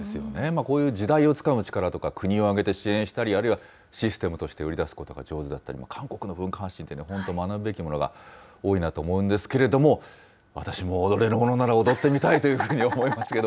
こういう時代をつかむ力とか、国を挙げて支援したり、あるいはシステムとして売り出すことが上手だったり、韓国の文化、本当、学ぶべきが多いなと思うんですけれども、私も踊れるものなら踊ってみたいというふうに思いますけど。